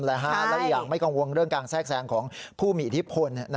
และอีกอย่างไม่กังวลเรื่องการแทรกแซงของผู้มีอิทธิพล